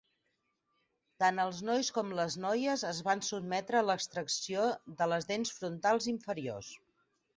Tant els nois com les noies es van sotmetre a l'extracció de les dents frontals inferiors.